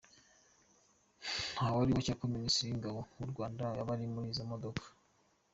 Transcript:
Ntawari gukeka ko Minisitiri w’ingabo w’u Rwanda yaba ari muri izo modoka .